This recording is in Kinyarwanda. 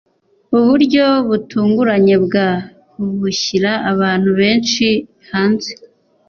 Uburyo butunguranye bwa bushyira abantu benshi hanze.